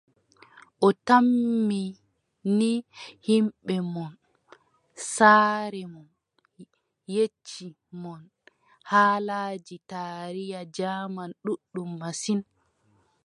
O tammi ni yimɓe mon, saaro mon yecci mon haalaaji taariya jaaman ɗuuɗɗum masin.